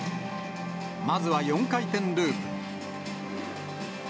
まずは４回転ループ。